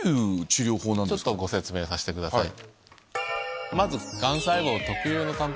ちょっとご説明させてください。